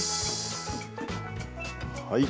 はい。